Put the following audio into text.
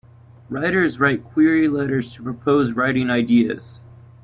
Writers write query letters to propose writing ideas.